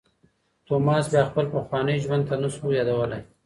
توماس بیا خپل پخوانی ژوند نه شو یادولای.